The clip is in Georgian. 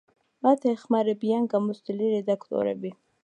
მათ ეხმარებიან გამოცდილი რედაქტორები.